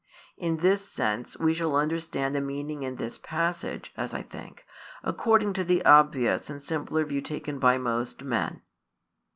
In this sense we shall understand the meaning in this passage, as I think, according to the obvious and simpler view taken by most men.